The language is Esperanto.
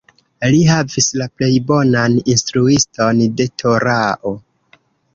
Li havis la plej bonan instruiston de Torao.